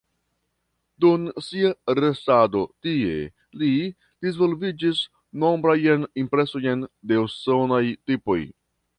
Dum sia restado tie, li disvolvigis nombrajn impresojn de usonaj tipoj.